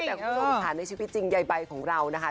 แต่คุณสงสารในชีวิตจริงใยใบของเรานะคะ